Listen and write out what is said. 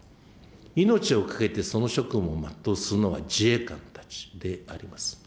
命を懸けてその職務を全うするのは自衛官たちであります。